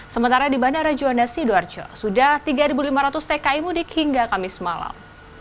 sementara di bandara juanda sidoarjo sudah tiga lima ratus tki mudik hingga kamis malam